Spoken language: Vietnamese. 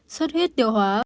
xuất huyết tiêu hóa